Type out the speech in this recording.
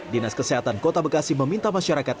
dinas kesehatan kota bekasi meminta masyarakat